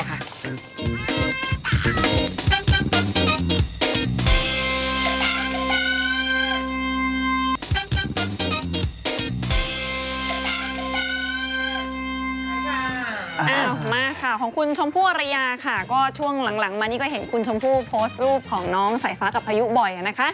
เอามาข่าวของคุณชมพู่อรยาค่ะก็ช่วงหลังมานี่ก็เห็นคุณชมพู่โพสต์รูปของน้องสายฟ้ากับพายุบ่อยนะคะ